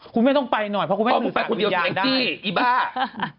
คุณแม่ต้องไปหน่อยเพราะคุณแม่ถึงศาสตรีอย่างได้ค้อคุณไปขนาดเดียวกันจริงไหลกรี๊ด